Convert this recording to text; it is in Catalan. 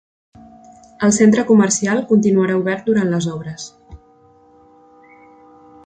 El centre comercial continuarà obert durant les obres.